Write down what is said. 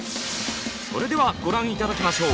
それではご覧頂きましょう。